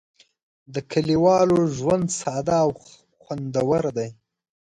د کلیوالو ژوند ساده او خوندور دی.